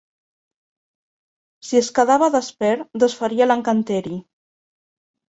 Si es quedava despert, desfaria l'encanteri.